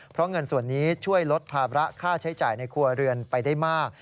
เพราะเงินส่วนนี้ช่วยลดภาระค่าใช้จ่ายในครัวเรือนไปได้มาก